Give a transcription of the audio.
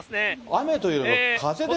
雨というよりも風ですね。